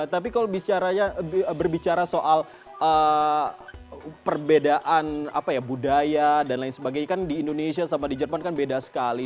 tapi kalau berbicara soal perbedaan budaya dan lain sebagainya kan di indonesia sama di jerman kan beda sekali